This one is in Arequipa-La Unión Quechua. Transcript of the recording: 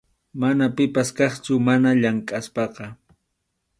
Mana pipas kaqchu mana llamk’aspaqa.